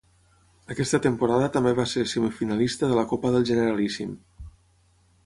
Aquesta temporada també va ser semifinalista de la Copa del Generalíssim.